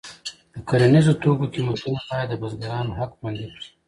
د کرنیزو توکو قیمتونه باید د بزګرانو حق خوندي کړي.